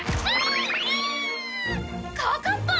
かかった！